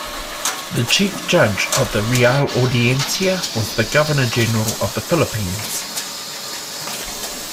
The Chief Judge of the Real Audiencia was the Governor-General of the Philippines.